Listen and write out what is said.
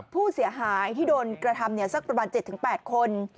ผู้เสียหายที่โดนกระทำสักประมาณ๗๘คน